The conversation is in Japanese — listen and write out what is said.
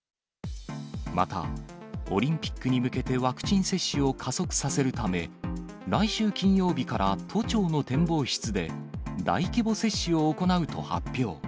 また、オリンピックに向けてワクチン接種を加速させるため、来週金曜日から都庁の展望室で大規模接種を行うと発表。